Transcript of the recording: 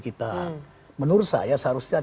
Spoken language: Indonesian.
kita menurut saya seharusnya